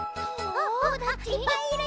いっぱいいる！